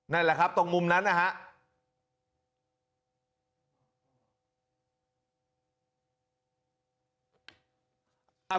นั่นแหละครับตรงมุมนั้นนะครับ